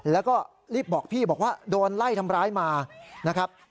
แล้วก็รีบบอกพี่บอกว่าโดนไล่ทำร้ายมานะครับ